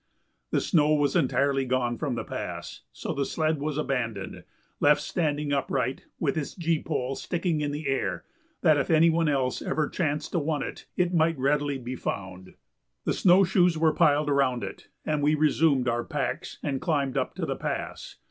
The snow was entirely gone from the pass, so the sled was abandoned left standing upright, with its gee pole sticking in the air that if any one else ever chanced to want it it might readily be found. The snow shoes were piled around it, and we resumed our packs and climbed up to the pass.